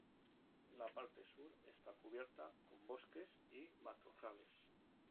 La parte sur está cubierta con bosques y matorrales.